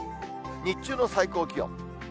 日中の最高気温。